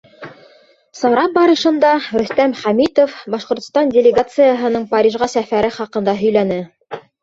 Сара барышында Рөстәм Хәмитов Башҡортостан делегацияһының Парижға сәфәре хаҡында һөйләне.